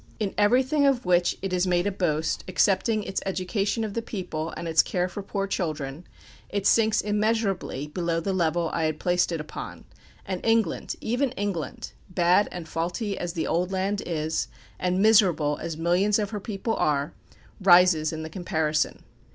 In everything of which it has made a boast, excepting its education of the people, and its care for poor children, it sinks immeasurably below the level I had placed it upon, and England, even England, bad and faulty as the old land is, and miserable as millions of her people are, rises in the comparison....